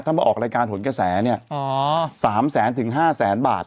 ถ้ามาออกรายการหนกระแสเนี่ย๓แสนถึง๕แสนบาท